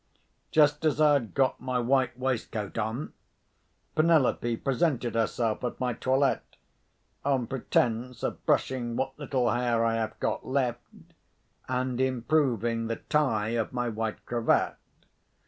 Just as I had got my white waistcoat on, Penelope presented herself at my toilet, on pretence of brushing what little hair I have got left, and improving the tie of my white cravat.